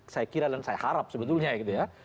saya kira dan saya harap sebetulnya gitu ya